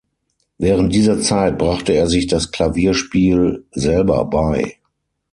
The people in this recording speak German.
Während dieser Zeit brachte er sich das Klavierspiel selber bei.